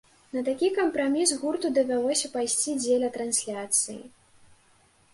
На такі кампраміс гурту давялося пайсці дзеля трансляцыі.